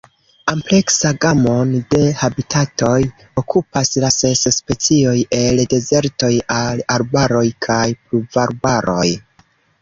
Ampleksa gamon de habitatoj okupas la ses specioj, el dezertoj al arbaroj kaj pluvarbaroj.